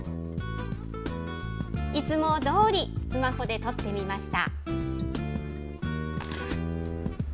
いつもどおり、スマホで撮ってみました。